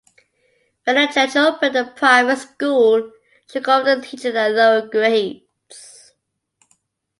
When their church opened a private school, she took over teaching the lower grades.